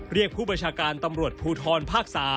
เรียกผู้บัญชาการตำรวจโภทอนพ๓